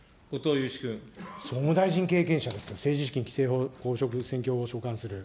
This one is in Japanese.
総務大臣経験者ですよ、政治資金規正法、公職選挙法を所管する。